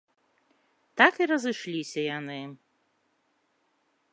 Так і разышліся яны.